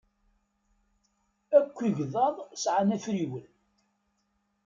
Akk igḍaḍ sɛan afriwen.